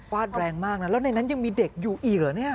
แรงมากนะแล้วในนั้นยังมีเด็กอยู่อีกเหรอเนี่ย